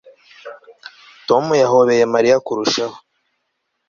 Tom yahobeye Mariya kurushaho